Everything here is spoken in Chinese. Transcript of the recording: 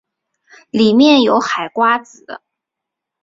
里面有海瓜子